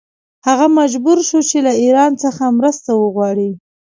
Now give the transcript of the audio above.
هغه مجبور شو چې له ایران څخه مرسته وغواړي.